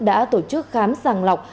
đã tổ chức khám sàng lọc